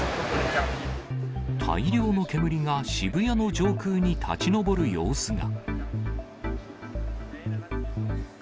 大量の煙が渋谷の上空に立ち上る様子が。